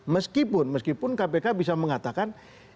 meskipun meskipun kpk bisa mengatakan